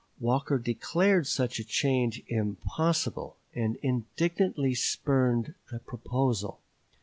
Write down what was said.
Walker declared such a change impossible, and indignantly spurned the proposal.